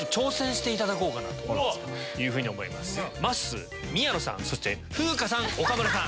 まっすー宮野さんそして風花さん岡村さん。